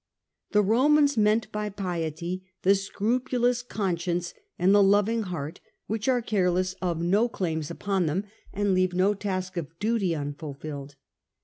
The Romans meant by piety the scrupulous conscience and the loving heart which are careless of no claims upon them, and leave no task of duty unfulfilled.